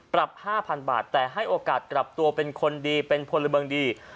๕๐๐๐บาทแต่ให้โอกาสกลับตัวเป็นคนดีเป็นพลเมิงดี